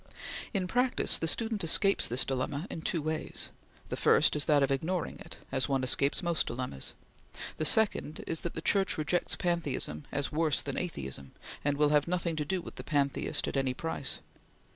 In practice the student escapes this dilemma in two ways: the first is that of ignoring it, as one escapes most dilemmas; the second is that the Church rejects pantheism as worse than atheism, and will have nothing to do with the pantheist at any price.